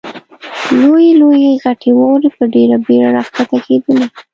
لویې لویې غټې واورې په ډېره بېړه را کښته کېدلې.